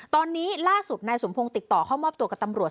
ตอนนี้ล่าสุดนายสมพงศ์ติดต่อเข้ามอบตัวกับตำรวจ